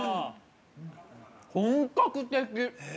本格的。